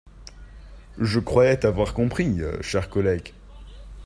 Je croyais avoir compris, chers collègues.